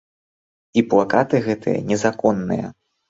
І плакаты гэтыя незаконныя.